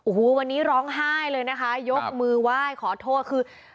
โอ้โหวันนี้ร้องไห้เลยนะคะยกมือไหว้ขอโทษคือ